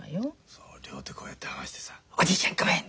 そう両手こうやって合わせてさ「おじいちゃんごめん！」